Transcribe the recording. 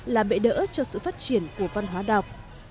là bệ đỡ cho sự phát triển của văn hóa đọc